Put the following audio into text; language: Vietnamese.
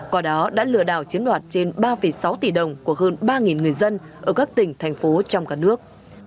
có đó đã lừa đảo chiếm đoạt trên ba sáu tỷ đồng của hơn ba người dân ở các tỉnh thành phố trong cả nước